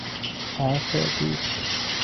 چرخ گوشت